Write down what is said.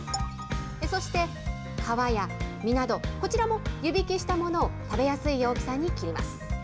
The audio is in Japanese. そして、皮や身など、こちらも湯引きしたものを食べやすい大きさに切ります。